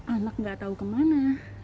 anak tidak tahu ke mana